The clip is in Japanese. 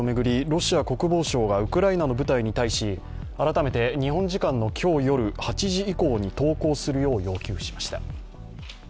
ロシア国防省がウクライナの部隊に対し改めて日本時間の今日夜８時以降に投降するよう要求しました。